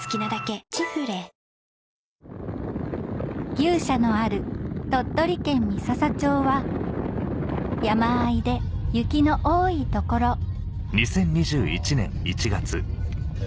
牛舎のある鳥取県三朝町は山あいで雪の多い所え？